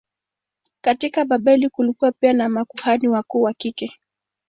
Katika Babeli kulikuwa pia na makuhani wakuu wa kike.